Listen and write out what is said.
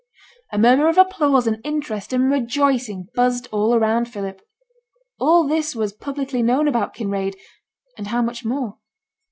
A murmur of applause and interest and rejoicing buzzed all around Philip. All this was publicly known about Kinraid, and how much more?